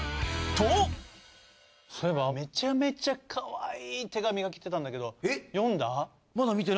とそういえばめちゃめちゃかわいい手紙が来てたんだけど読んだ？